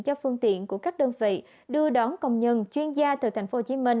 cho phương tiện của các đơn vị đưa đón công nhân chuyên gia từ tp hcm